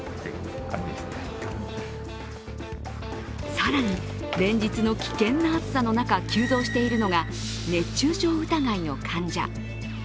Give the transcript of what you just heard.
更に連日の危険な暑さの中急増しているのが熱中症疑いの患者。